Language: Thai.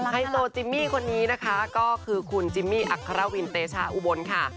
ไฮโซจิมมี่คนนี้นะคะก็คือคุณจิมมี่อัครวินเตชาอุบลค่ะ